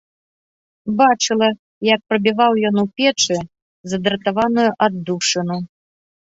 Бачыла, як прабіваў ён у печы задратаваную аддушыну.